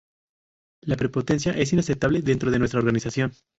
La prepotencia es inaceptable dentro de nuestra organización.